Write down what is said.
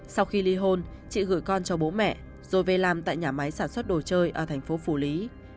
sau khi ly hôn chị gửi con cho bố mẹ rồi về làm tại nhà máy sản xuất đồ chơi ở thành phố phủ lý